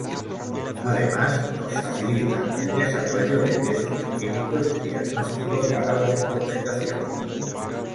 Además, nos facilita el desarrollo de tests bioquímicos de diagnóstico para las intoxicaciones.